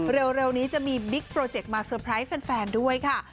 เร็วนี้จะมีบิ๊กโปรเจคมาเตอร์ไพรส์แฟนด้วยค่ะ